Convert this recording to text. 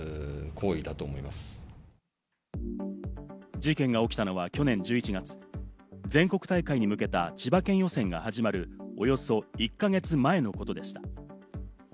事件が起きたのは去年１１月、全国大会に向けた千葉県予選が始まるおよそ１か月前のことでした。